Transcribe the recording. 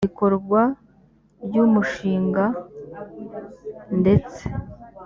bikorwa ry umushinga ndetse